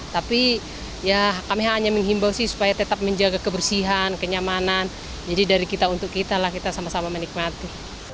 tapi ya kami hanya menghimbau sih supaya tetap menjaga kebersihan kenyamanan jadi dari kita untuk kita lah kita sama sama menikmati